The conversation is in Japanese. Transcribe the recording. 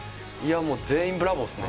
全員ブラボーですね。